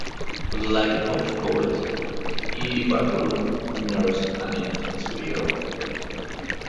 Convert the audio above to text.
Like most poets, Ibarbourou nursed an intense fear of death.